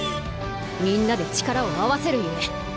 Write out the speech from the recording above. みんなで力を合わせるゆえ。